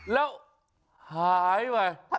แล้วหายไป